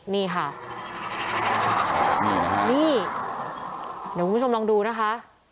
นี่ค่ะนี่นะคะนี่เดี๋ยวคุณผู้ชมลองดูนะคะ